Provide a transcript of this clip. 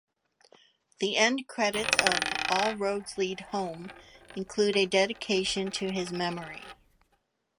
The end credits of "All Roads Lead Home" include a dedication to his memory.